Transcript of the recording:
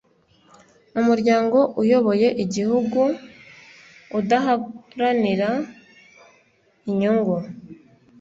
umuryango uyoboye igihugu udaharanira inyungu